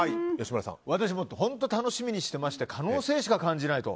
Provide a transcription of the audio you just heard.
私も本当楽しみにしてまして可能性しか感じないと。